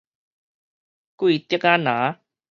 桂竹仔林